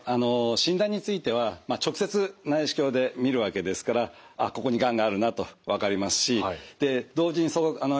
診断については直接内視鏡で見るわけですからここにがんがあるなと分かりますしで同時にその胃カメラからですね